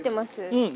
うん！